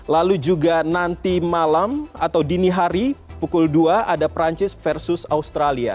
lalu juga nanti malam atau dini hari pukul dua ada perancis versus australia